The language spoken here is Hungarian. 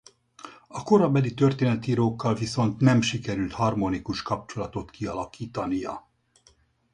A korabeli történetírókkal viszont nem sikerült harmonikus kapcsolatot kialakítania.